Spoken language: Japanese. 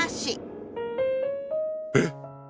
えっ？